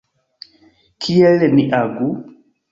Kiel ni agu?